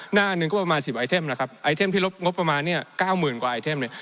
หน้านึงก็ประมาณ๑๐ไอเทมนะครับไอเทมที่รบงบประมาณ๙๐๐๐กว่าไอเทมนี้